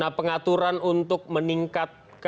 nah pengaturan untuk meningkat